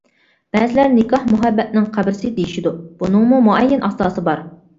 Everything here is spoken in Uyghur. بەزىلەر نىكاھ مۇھەببەتنىڭ قەبرىسى دېيىشىدۇ، بۇنىڭمۇ مۇئەييەن ئاساسى بار.